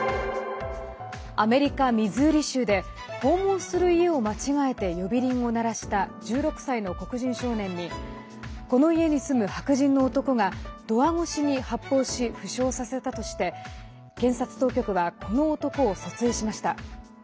アメリカ・ミズーリ州で訪問する家を間違えて呼び鈴を鳴らした１６歳の黒人少年にこの家に住む、白人の男がドア越しに発砲し負傷させたとして検察当局はこの男を訴追しました。